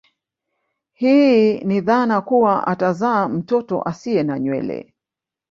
Hii ni dhana kuwa atazaa mtoto asie na nywele